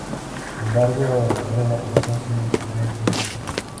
Sin embargo, la nueva canción simplemente no funciona.